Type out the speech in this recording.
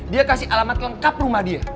dia kasih alamat lengkap rumah dia